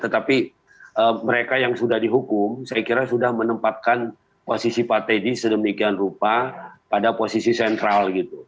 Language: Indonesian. tetapi mereka yang sudah dihukum saya kira sudah menempatkan posisi pak teddy sedemikian rupa pada posisi sentral gitu